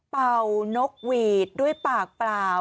เป่านกหวีดด้วยปากเปล่า